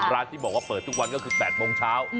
ที่บอกว่าเปิดทุกวันก็คือ๘โมงเช้า